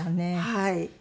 はい。